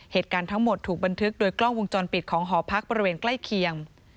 เหตุการณ์ทั้งหมดถูกบันทึกโดยกล้องวงจรปิดของหอพักบริเวณใกล้เคียง